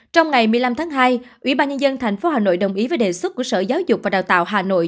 trong ngày một mươi năm tháng hai ủy ban nhân dân tp hà nội đồng ý với đề xuất của sở giáo dục và đào tạo hà nội